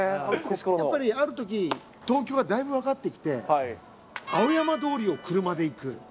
やっぱりあるとき、東京がだいぶ分かってきて、青山通りを車で行く。